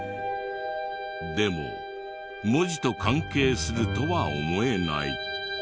でも文字と関係するとは思えない。